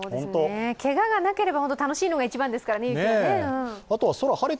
けががなければ楽しいのが一番ですからね、雪はね。